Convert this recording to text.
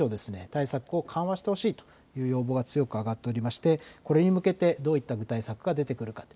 対策を緩和してほしいという要望が強くあがっておりましてこれに向けてどういった具体策が出てくるか。